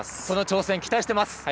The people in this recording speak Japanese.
その挑戦、期待しています。